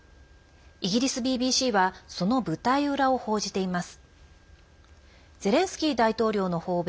イギリスＢＢＣはその舞台裏を報じています。